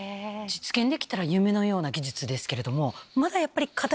実現できたら夢のような技術ですけど。